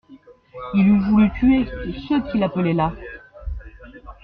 Il eût voulu tuer ceux qui l'appelaient là.